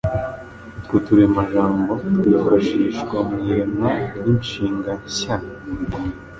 Utwo turemajambo twifashishwa mu iremwa ry’inshinga nshy